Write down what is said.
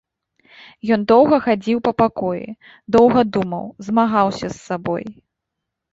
Ён доўга хадзіў па пакоі, доўга думаў, змагаўся з сабой.